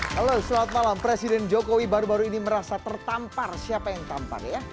halo selamat malam presiden jokowi baru baru ini merasa tertampar siapa yang tampar ya